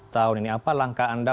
tahun ini apa langkah anda